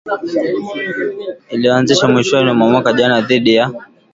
iliyoanzishwa mwishoni mwa mwaka jana dhidi ya